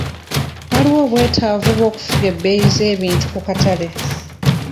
Waliwo obwetaavu bw'okufuga ebbeeyi z'ebintu ku katale.